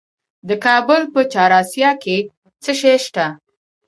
د کابل په چهار اسیاب کې څه شی شته؟